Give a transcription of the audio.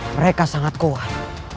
mereka sangat kuat